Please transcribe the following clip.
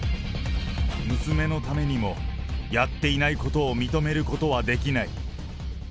娘のためにもやっていないことを認めることはできない。